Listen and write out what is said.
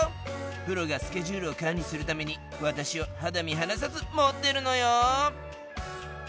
プロがスケジュールを管理するためにわたしを肌身離さず持ってるのよ。